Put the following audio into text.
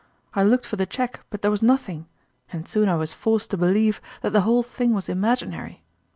I looked for the cheque, but there was nothing, and soon I was forced to believe that the whole thing was imaginary.